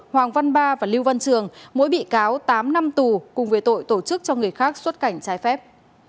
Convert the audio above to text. hoàng văn ba và lưu văn trường mỗi bị cáo tám năm tù cùng với tội tổ chức cho người khác xuất cảnh trái phép